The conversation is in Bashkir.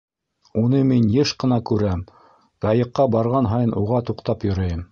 Уны мин йыш ҡына күрәм, Яйыҡҡа барған һайын уға туҡтап йөрөйөм.